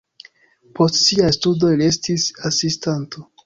Post siaj studoj li estis asistanto.